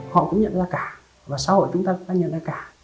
họ cũng nhận ra cả và xã hội chúng ta đã nhận ra cả